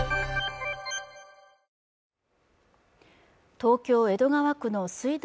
東京江戸川区の水道